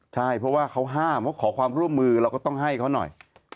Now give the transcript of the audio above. ใช่เพราะว่าเขาห้ามเขาขอความร่วมมือเราก็ต้องให้เขาหน่อย